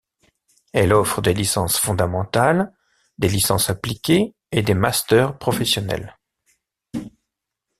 Elle offre des licences fondamentales, des licences appliquées et des masters professionnels.